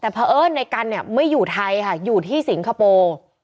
แต่พระเอิ้นในการไม่อยู่ไทยค่ะอยู่ที่สิงคโปร์